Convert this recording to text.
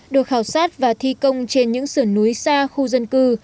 được khảo sát và thi công trên những sườn núi xa khu dân cư